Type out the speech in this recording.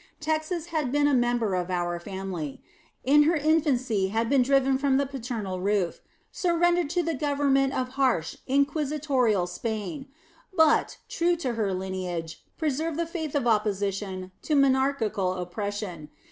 Texas had been a member of our family: in her infancy had been driven from the paternal roof, surrendered to the government of harsh, inquisitorial Spain; but, true to her lineage, preserved the faith of opposition to monarchical oppression.